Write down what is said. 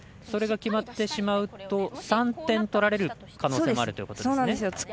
それが決まってしまうと３点取られる可能性もあるっていうことですよね。